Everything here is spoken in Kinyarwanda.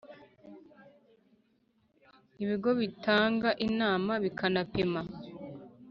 ibigo bitanga inama bikanapima,